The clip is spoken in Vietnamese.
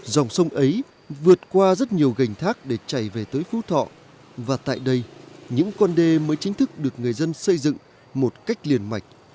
dòng sông ấy vượt qua rất nhiều gành thác để chảy về tới phú thọ và tại đây những con đê mới chính thức được người dân xây dựng một cách liền mạch